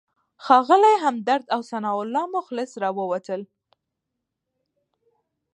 ښاغلی همدرد او ثناالله مخلص راووتل.